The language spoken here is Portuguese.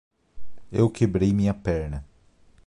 Eu quebrei minha perna.